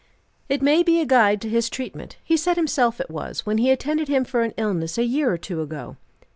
"It may be a guide to his treatment; he said himself it was, when he attended him for an illness a year or two ago."